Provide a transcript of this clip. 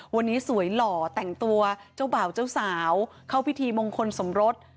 วันนี้สวยหล่อแต่งตัวเจ้าบ่าวเจ้าสาวเข้าพิธีมงคลสมรส